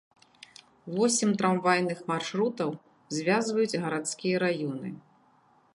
Восем трамвайных маршрутаў звязваюць гарадскія раёны.